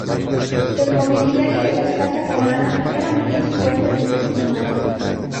El mobiliario de las casas romanas era muy escueto y funcional.